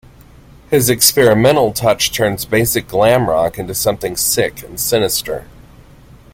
His experimental touch turns basic glam-rock into something sick and sinister.